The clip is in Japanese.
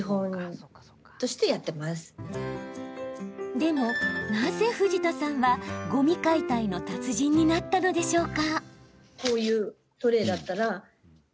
でも、なぜ藤田さんはごみ解体の達人になったのでしょうか？